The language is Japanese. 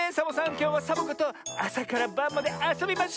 きょうはサボ子とあさからばんまであそびましょ。